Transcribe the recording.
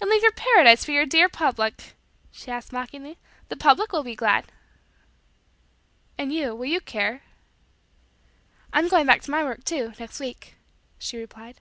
"And leave your paradise for your dear public?" she said mockingly. "The public will be glad." "And you, will you care?" "I'm going back to my work, too, next week," she replied.